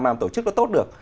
làm tổ chức nó tốt được